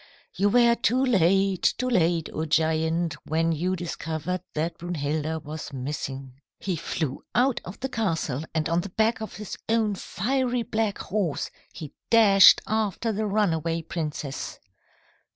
"You were too late, too late, O giant, when you discovered that Brunhilda was missing. "He flew out of the castle, and on the back of his own fiery black horse he dashed after the runaway princess.